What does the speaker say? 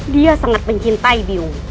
dia sangat mencintai biung